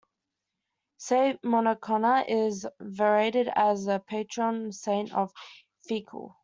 Saint Mochonna is venerated as the patron saint of Feakle.